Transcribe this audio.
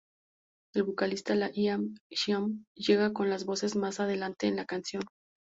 El vocalista Ian Gillan llega con las voces más adelante en la canción.